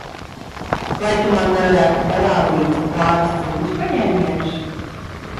Vai tu man nevarētu parādīt pāris cīņas paņēmienus?